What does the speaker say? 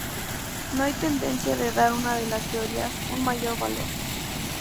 No hay tendencia de dar una de las teorías un mayor valor.